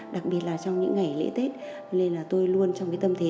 đặc biệt là trong những ngày lễ tết nên là tôi luôn trong cái tâm thế